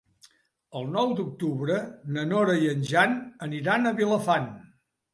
El nou d'octubre na Nora i en Jan aniran a Vilafant.